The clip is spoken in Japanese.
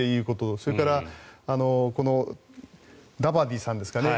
それからダバディさんですかね。